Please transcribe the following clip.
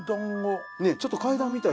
ねっちょっと階段みたい。